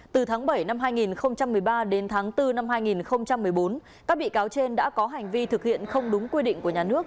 từ tháng bảy năm hai nghìn một mươi ba đến tháng bốn năm hai nghìn một mươi bốn các bị cáo trên đã có hành vi thực hiện không đúng quy định của nhà nước